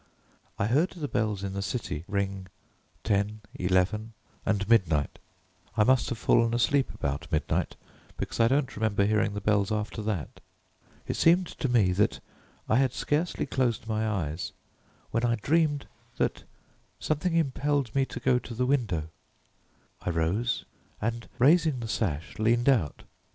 I heard the bells in the city ring ten, eleven, and midnight. I must have fallen asleep about midnight because I don't remember hearing the bells after that. It seemed to me that I had scarcely closed my eyes when I dreamed that something impelled me to go to the window. I rose, and raising the sash leaned out.